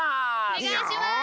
おねがいします！